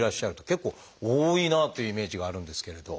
結構多いなあというイメージがあるんですけれど。